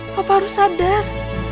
papa harus sadar